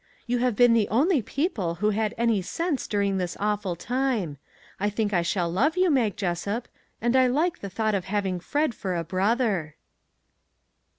You have been the only people who had any sense during this awful time. I think I shall love you, Mag Jessup ; and I like the thought of having Fred for a brother."